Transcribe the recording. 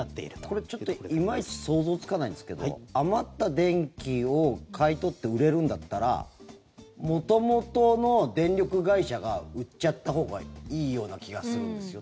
これちょっといまいち想像がつかないんですが余った電気を買い取って売れるんだったら元々の電力会社が売っちゃったほうがいいような気がするんですよ。